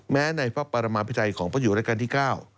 ในพระปรมาพิไทยของพระอยู่ราชการที่๙